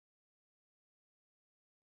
پسه د افغانستان د طبیعت برخه ده.